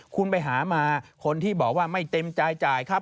คุณไปหามาคนที่บอกว่าไม่เต็มใจจ่ายครับ